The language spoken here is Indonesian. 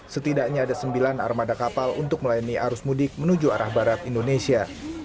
setidaknya ada sembilan armada kapal untuk melayani arus mudik menuju arah barat indonesia